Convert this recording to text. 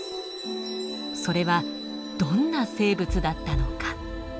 それはどんな生物だったのか。